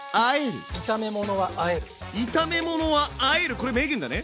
これ名言だね。